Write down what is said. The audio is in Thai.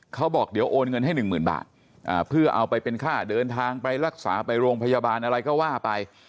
เขาบอกเดี๋ยวโอนเงินให้หนึ่งหมื่นบาทเพื่อเอาไปเป็นค่าเดินทางไปรักษาไปโรงพยาบาลอะไรก็ว่าไป